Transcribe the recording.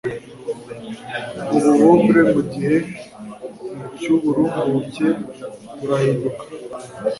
ububobre mu gihe cy'uburumbuke burahinduka